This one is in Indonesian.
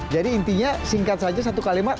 jadi intinya singkat saja satu kalimat